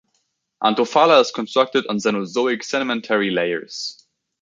Antofalla is constructed on Cenozoic sedimentary layers.